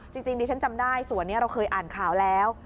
จริงดิฉันจำได้ส่วนนี้เราเคยอ่านข่าวแล้ว